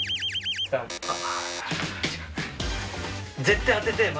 絶対当ててえ。